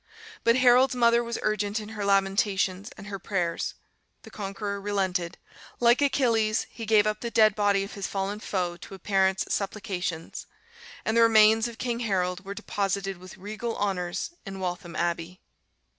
But Harold's mother was urgent in her lamentations and her prayers: the Conqueror relented: like Achilles, he gave up the dead body of his fallen foe to a parent's supplications; and the remains of King Harold were deposited with regal honours in Waltham Abbey.